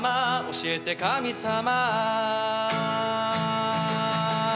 「教えて神様」